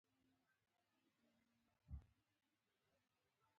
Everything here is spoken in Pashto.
د ځوانانو د شخصي پرمختګ لپاره پکار ده چې پریزنټیشن ښه کړي.